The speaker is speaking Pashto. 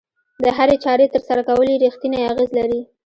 د هرې چارې ترسره کول يې رېښتینی اغېز لري.